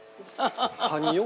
◆カニを？